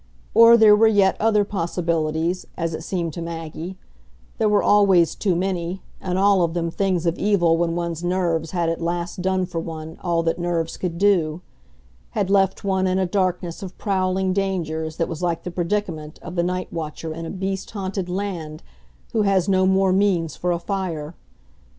Or there were yet other possibilities, as it seemed to Maggie; there were always too many, and all of them things of evil when one's nerves had at last done for one all that nerves could do; had left one in a darkness of prowling dangers that was like the predicament of the night watcher in a beast haunted land who has no more means for a fire.